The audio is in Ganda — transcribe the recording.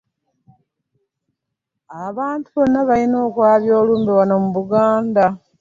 Abantu bonna balina okwabya olumbe wano mu Buganda.